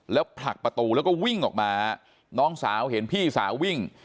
แล้วผลักประตูแล้วก็วิ่งออกมาน้องสาวเห็นพี่สาววิ่ง